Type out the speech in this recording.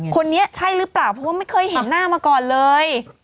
คนนี้ใช่หรือเปล่าเพราะว่าไม่เคยเห็นหน้ามาก่อนเลย